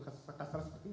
kasar kasar seperti itu